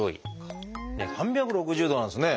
３６０度なんですね。